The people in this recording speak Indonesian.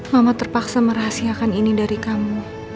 mama terpaksa merahasiakan ini dari kamu